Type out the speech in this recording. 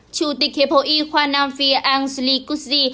chủ tịch hiệp hội y khoa nam phi ang lee kutsi